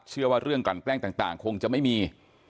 เชื่อว่าเรื่องกลั่นแกล้งต่างคงจะไม่มี